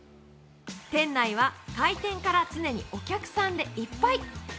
店内は開店から常にお客さんでいっぱい。